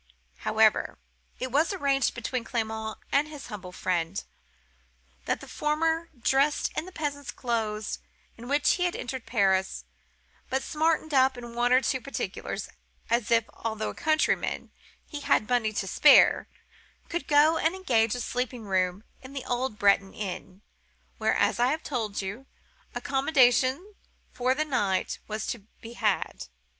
However, it was arranged between Clement and his humble friend, that the former, dressed in the peasant's clothes in which he had entered Paris, but smartened up in one or two particulars, as if, although a countryman, he had money to spare, should go and engage a sleeping room in the old Breton Inn; where, as I told you, accommodation for the night was to be had.